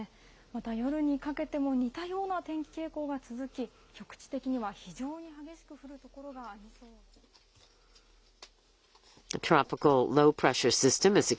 また夜にかけても、似たような天気傾向が続き、局地的には非常に激しく降る所がありそうです。